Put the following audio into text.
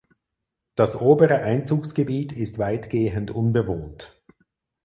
Das obere Einzugsgebiet ist weitgehend unbewohnt.